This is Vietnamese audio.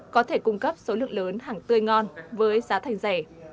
có thể cung cấp số lượng lớn hàng tươi ngon với giá thành rẻ